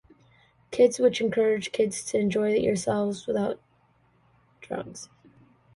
Kids, which encourages kids to "Enjoy Yourselves Without Drugs".